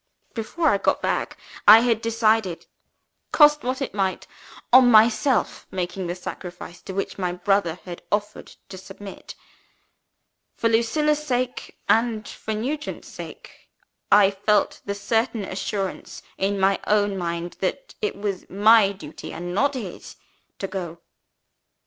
Before I got back, I had decided (cost me what it might) on myself making the sacrifice to which my brother had offered to submit. For Lucilla's sake, and for Nugent's sake, I felt the certain assurance in my own mind that it was my duty, and not his, to go.